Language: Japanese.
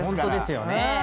本当ですよね。